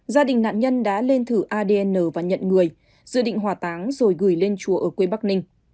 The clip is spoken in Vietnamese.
gia đình nạn nhân đã lên thử adn và nhận người dự định hòa táng rồi gửi lên chùa ở quê bắc ninh